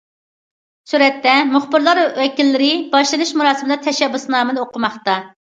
سۈرەتتە: مۇخبىرلار ۋەكىللىرى باشلىنىش مۇراسىمىدا تەشەببۇسنامىنى ئوقۇماقتا.